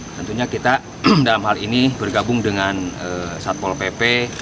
tentunya kita dalam hal ini bergabung dengan satpol pp